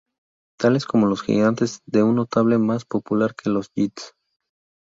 Tales como los Gigantes de un notable más popular que los Jets.